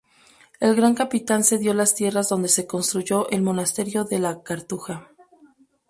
El Gran Capitán cedió las tierras donde se construyó el monasterio de la Cartuja.